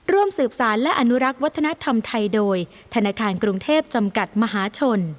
ร่วมสืบสารและอนุรักษ์วัฒนธรรมไทยโดยธนาคารกรุงเทพจำกัดมหาชน